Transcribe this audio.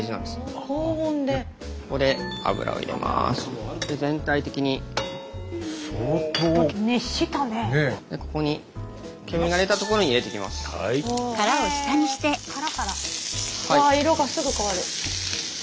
うわぁ色がすぐ変わる。